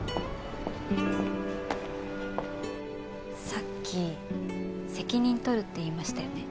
さっき責任取るって言いましたよね？